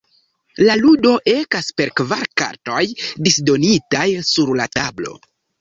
La ludo ekas per kvar kartoj disdonitaj sur la tablo.